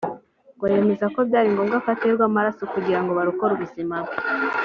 yemeza ko byari ngombwa ko aterwa amaraso kugira ngo barokore ubuzima bwe